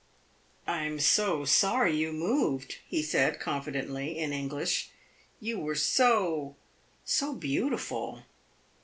"I am so sorry you moved," he said, confidently, in English. "You were so so beautiful."